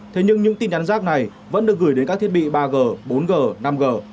thế nhưng những tin nhắn rác này vẫn được gửi đến các thiết bị ba g bốn g năm g